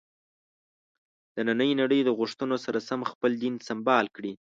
د نننۍ نړۍ له غوښتنو سره سم خپل دین سمبال کړي.